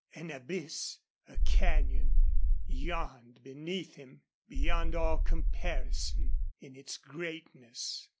An abyss, a canyon, yawned beneath him, beyond all comparison in its greatness.